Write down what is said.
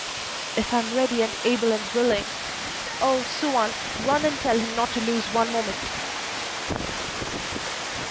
"If I am ready and able and willing! Oh, Suan, run and tell him not to lose one moment."